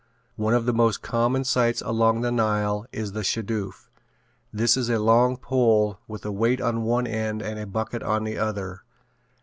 One of the most common sights along the Nile is the shadoof. This is a long pole with a weight on one end and a bucket on the other.